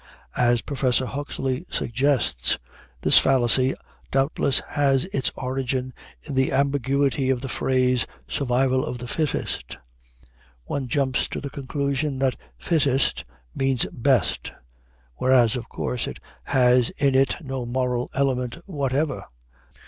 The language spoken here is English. As Professor Huxley suggests, this fallacy doubtless has its origin in the ambiguity of the phrase "survival of the fittest." One jumps to the conclusion that fittest means best; whereas, of course, it has in it no moral element whatever.